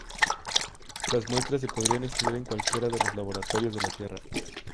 Las muestras se podrían estudiar en cualquiera de los laboratorios de la Tierra.